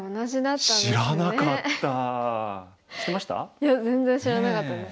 いや全然知らなかったです。